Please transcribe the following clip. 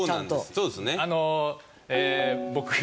そうですね。